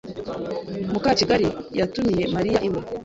Mukakigali yatumiye Mariya iwe.